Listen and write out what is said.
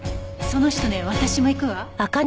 その人の家私も行くわ。